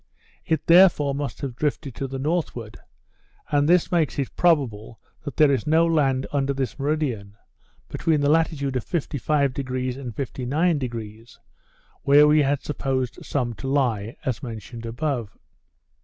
It therefore must have drifted to the northward: and this makes it probable that there is no land under this meridian, between the latitude of 55° and 59°, where we had supposed some to lie, as mentioned above.